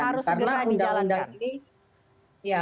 harus segera dijalankan